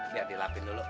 biar dilapin dulu